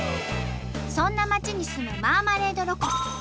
そんな街に住むマーマレードロコ。